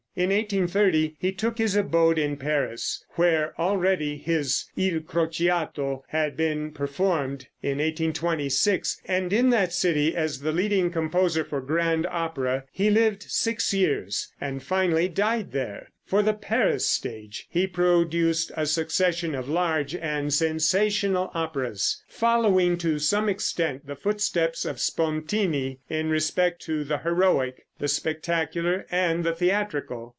In 1830 he took up his abode in Paris, where already his "Il Crociato" had been performed, in 1826, and in that city, as the leading composer for grand opera, he lived six years, and finally died there. For the Paris stage he produced a succession of large and sensational operas, following to some extent the footsteps of Spontini, in respect to the heroic, the spectacular and the theatrical.